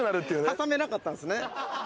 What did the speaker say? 挟めなかったんですね。